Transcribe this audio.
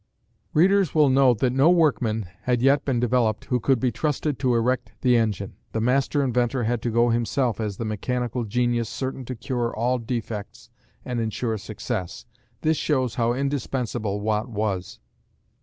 Readers will note that no workman had yet been developed who could be trusted to erect the engine. The master inventor had to go himself as the mechanical genius certain to cure all defects and ensure success. This shows how indispensable Watt was.